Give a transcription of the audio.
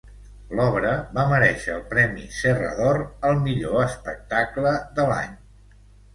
L'obra va merèixer el premi Serra d'Or al millor espectacle de l'any.